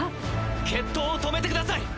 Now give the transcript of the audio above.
決闘を止めてください！